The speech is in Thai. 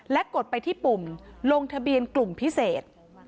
กดไปที่ปุ่มลงทะเบียนกลุ่มพิเศษ